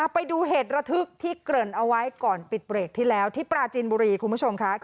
ไปดูเหตุระทึกที่เกริ่นเอาไว้ก่อนปิดเบรกที่แล้วที่ปราจีนบุรีคุณผู้ชมค่ะ